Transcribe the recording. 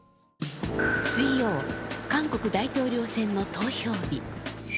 水曜、韓国大統領選の投票日。